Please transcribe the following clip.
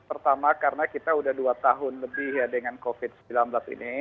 pertama karena kita sudah dua tahun lebih ya dengan covid sembilan belas ini